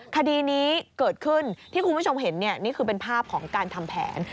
คดีนี้เกิดขึ้นที่คุณผู้ชมเห็นนี่คือเป็นภาพของการทำแผน